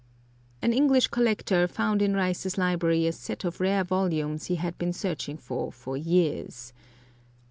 An English collector found in Rice's library a set of rare volumes he had been searching for for years.